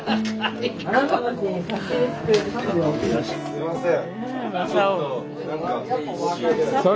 すいません！